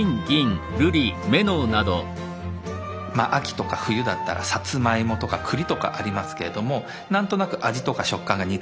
秋とか冬だったらサツマイモとかクリとかありますけれども何となく味とか食感が似てますよね。